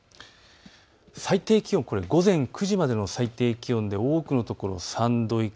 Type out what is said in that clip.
最低気温、これは午前９時までの最低気温で多くの所３度以下。